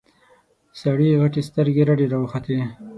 سړي غتې سترګې رډې راوختې.